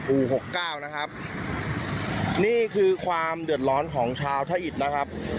หกเก้านะครับนี่คือความเดือดร้อนของชาวท่าอิตนะครับ